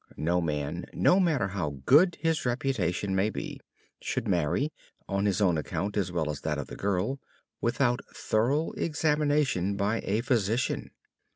No man, no matter how good his reputation may be, should marry (on his own account as well as that of the girl) without thorough examination by a physician.